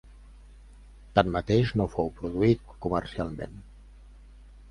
Tanmateix no fou produït comercialment.